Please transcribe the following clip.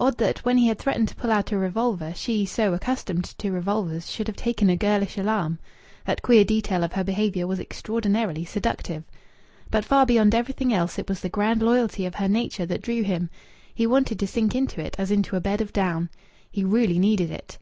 Odd that, when he had threatened to pull out a revolver, she, so accustomed to revolvers, should have taken a girlish alarm! That queer detail of her behaviour was extraordinarily seductive. But far beyond everything else it was the grand loyalty of her nature that drew him. He wanted to sink into it as into a bed of down. He really needed it.